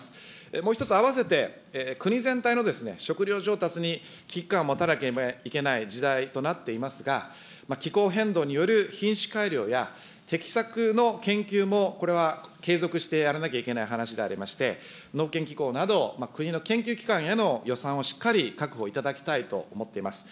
もう１つ、あわせて国全体の食料調達に危機感を持たなければいけない時代となっていますが、気候変動による品種改良や、適作の研究も、これは継続してやらなきゃいけない話でありまして、農研機構など、国の研究機関への予算をしっかり確保いただきたいと思っています。